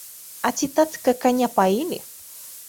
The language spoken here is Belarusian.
А ці, татка, каня паілі?